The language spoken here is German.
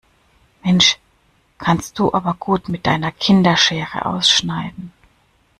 Mensch, kannst du aber gut mit deiner Kinderschere ausschneiden.